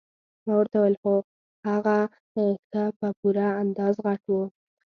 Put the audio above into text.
ما ورته وویل هو هغه ښه په پوره اندازه غټ وو.